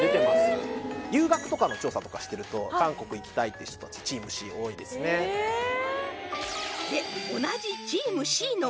えっ留学とかの調査とかしてると韓国行きたいって人達チームＣ多いですねえっ